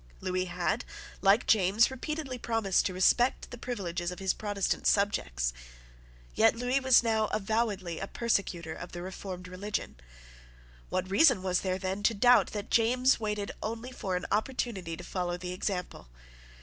Lewis had, like James, repeatedly promised to respect the privileges of his Protestant subjects. Yet Lewis was now avowedly a persecutor of the reformed religion. What reason was there, then, to doubt that James waited only for an opportunity to follow the example?